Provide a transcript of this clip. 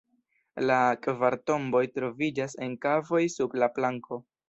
La kvar tomboj troviĝas en kavoj sub la planko.